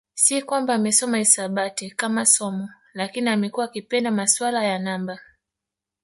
Si kwamba amesoma hisabati kama somo lakini amekuwa akipenda masuala ya namba